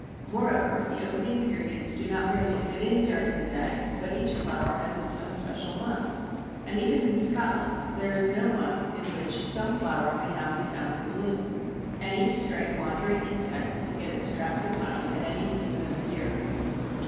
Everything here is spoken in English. Moreover the opening periods do not merely fit in during the day, but each flower has its own special month, and even in Scotland there is no month in which some flower may not be found in bloom. Any stray wandering insect can get its draught of honey at any season of the year.